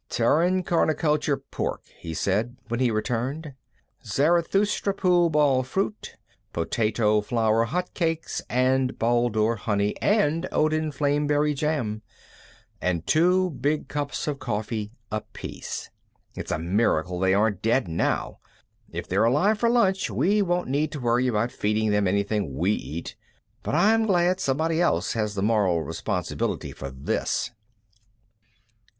"Terran carniculture pork," he said, when he returned. "Zarathustra pool ball fruit. Potato flour hotcakes, with Baldur honey and Odin flameberry jam. And two big cups of coffee apiece. It's a miracle they aren't dead now. If they're alive for lunch, we won't need to worry about feeding them anything we eat, but I'm glad somebody else has the moral responsibility for this."